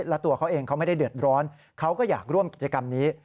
แล้วตัวเขาเองเขาไม่ได้เดือดร้อนเขาก็อยากร่วมกิจกรรมนี้